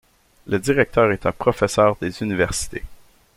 Le directeur est un professeur des universités.